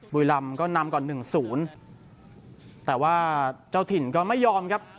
บุรีรำก็นำก่อนหนึ่งศูนย์แต่ว่าเจ้าถิ่นก็ไม่ยอมครับ